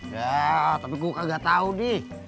ya tapi gue kagak tau d